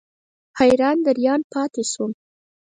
حیران دریان پاتې شوم.